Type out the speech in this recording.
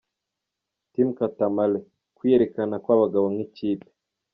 Team Kata Male: Kwiyerekana kw’abagabo nk’ikipe.